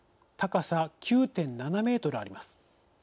高さ９．７メートルあります。